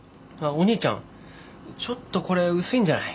おにいちゃんちょっとこれ薄いんじゃない？